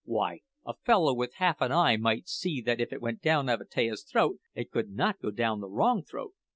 Why, a fellow with half an eye might see that if it went down Avatea's throat it could not go down the wrong throat!